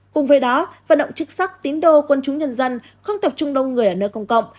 cùng với đó vận động chức sắc tín đồ quân chúng nhân dân không tập trung đông người ở nơi công cộng